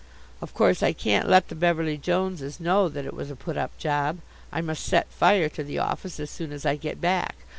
Of course I can't let the Beverly Joneses know that it was a put up job. I must set fire to the office as soon as I get back.